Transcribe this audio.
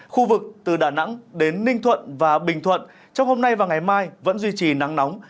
khu vực từ đà nẵng đến ninh thuận và bình thuận trong hôm nay và ngày mai vẫn duy trì nắng nóng